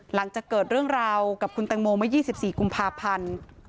หลังจากเกิดเรื่องราวกับคุณแตงโมเมื่อ๒๔กุมภาพันธ์